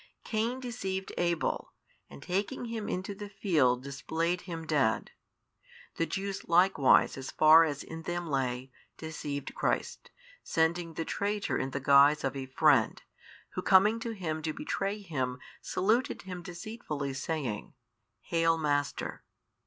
Cain deceived Abel, and taking him into the field displayed him dead: the Jews likewise as far as in them lay deceived Christ, sending the traitor in the guise of a friend, who coming to Him to betray Him saluted Him deceitfully saying, Hail Master.